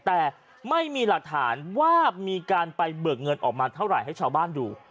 แต่ไม่มีหลักฐานว่ามีการไปเบิกเงินออกมาเท่าไหร่ให้ชาวบ้านดู